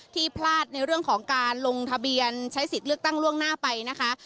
พลาดในเรื่องของการลงทะเบียนใช้สิทธิ์เลือกตั้งล่วงหน้าไปนะคะ